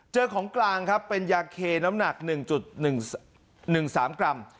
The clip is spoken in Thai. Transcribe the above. ของกลางครับเป็นยาเคน้ำหนัก๑๑๑๓กรัม